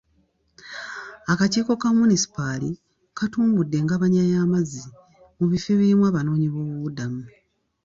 Akakiiko ka munisipaali katumbudde engabanya y'amazzi mu bifo ebirimu abanoonyiboobubudamu.